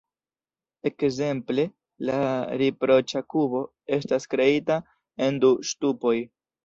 Ekzemple, la "riproĉa kubo" estas kreita en du ŝtupoj.